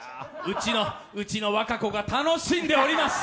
うちの和歌子が楽しんでおります！